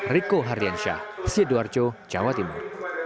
riko hardiansyah sidoarjo jawa timur